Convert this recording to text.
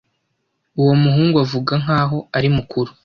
Uwo muhungu avuga nkaho ari mukuru.